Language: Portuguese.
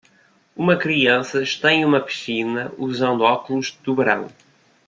Uma criança está em uma piscina usando óculos de tubarão.